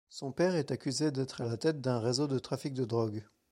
Son père est accusé d'être à la tête d'un réseau de trafic de drogue.